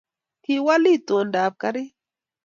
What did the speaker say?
kiwal itondab karit